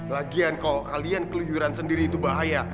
lagian kalau kalian keluh luhuran sendiri itu bahaya